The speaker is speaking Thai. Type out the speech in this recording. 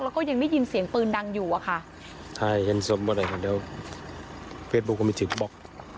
แล้วก็ยังได้ยินเสียงปืนดังอยู่อะค่ะใช่แฟทบุคลุมมันถึงบอก